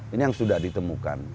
ini yang sudah ditemukan